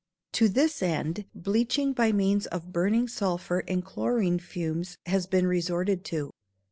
To this end bleaching by means of burning sulphur and chlorine fumes has been resorted to.